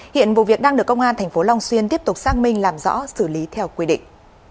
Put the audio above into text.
hiện vụ việc đang được công an tp long xuyên tiếp tục xác minh làm rõ xử lý theo quy định